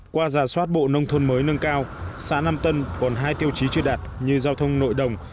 qua giả soát bộ nông thôn mới nâng cao xã nam tân còn hai tiêu chí chưa đạt như giao thông nội đồng